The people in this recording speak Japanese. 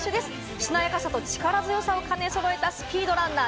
しなやかさと力強さを兼ね備えたスピードランナー。